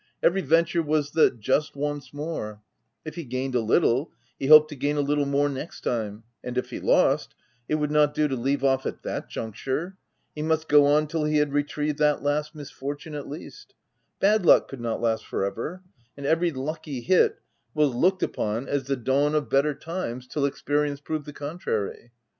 Every venture was the 'just once more :' if he gained a little, he hoped to gain a little more next time, and if he lost, it would not do to leave off at that juncture ; he must go on till he had retrieved that last misfortune, at least : bad luck could not last for ever ; and every lucky hit was looked upon as the dawn of better c 3 34 THE TENANT times, till experience proved the contrary.